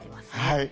はい。